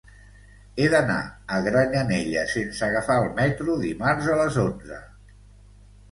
He d'anar a Granyanella sense agafar el metro dimarts a les onze.